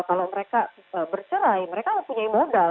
kalau mereka bercerai mereka mempunyai modal